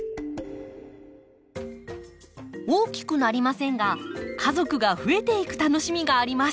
大きくなりませんが家族が増えていく楽しみがあります。